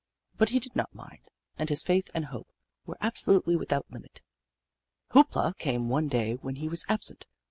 But he did not mind, and his faith and hope were ab solutely without limit. Hoop La came one day when he was ab sent.